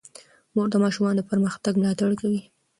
مور د ماشومانو د پرمختګ ملاتړ کوي.